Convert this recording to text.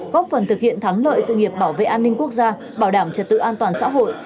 góp phần thực hiện thắng lợi sự nghiệp bảo vệ an ninh quốc gia bảo đảm trật tự an toàn xã hội